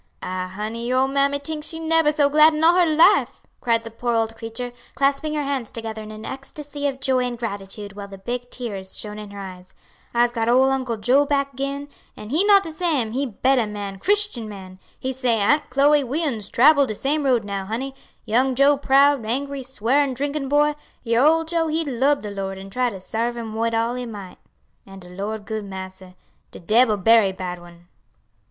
"Ah, honey, your ole mammy tinks she neber so glad in all her life!" cried the poor old creature, clasping her hands together in an ecstasy of joy and gratitude while the big tears shone in her eyes. "I'se got ole Uncle Joe back agin, an' he not de same, he bettah man, Christian man. He say, 'Aunt Chloe we uns trabble de same road now, honey: young Joe proud, angry, swearing drinkin' boy, your Ole Joe he lub de Lord an' try to sarve Him wid all he might. And de Lord good Massa. De debbil berry bad one.'"